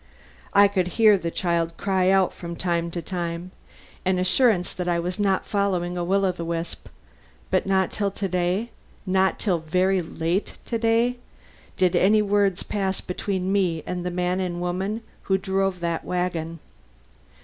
I could hear the child cry out from time to time an assurance that I was not following a will o' the wisp but not till to day, not till very late to day, did any words pass between me and the man and woman who drove the wagon.